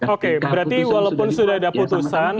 oke berarti walaupun sudah ada putusan